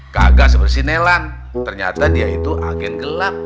kagak seperti si nelang ternyata dia itu agen gelap